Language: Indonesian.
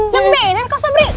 yang bener kau sabri